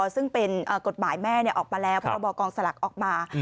ซึ่งเป็นกฎหมายแม่ออกมาแล้วพรบกองสลักออกมา